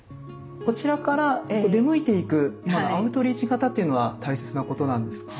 こちらから出向いていくアウトリーチ型っていうのは大切なことなんですか？